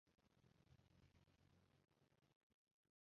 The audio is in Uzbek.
• Odamning ko‘nglini topish qiyin, yo‘qotish oson.